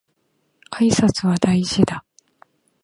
挨拶は大事だ